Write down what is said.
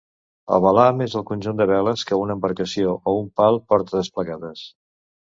El velam és al conjunt de veles que una embarcació o un pal porta desplegades.